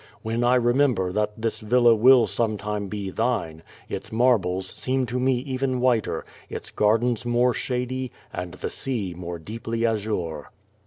When I remember that this villa will sometime be thine, its marbles seem to me even whiter, its gardens more shady, and the sea more deeply azure.